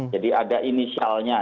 jadi ada inisialnya